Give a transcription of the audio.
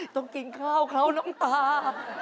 ต้องกินข้าวเขาน้ำตา